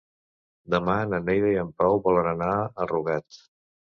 Demà na Neida i en Pau volen anar a Rugat.